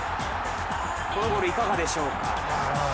このゴール、いかがでしょうか。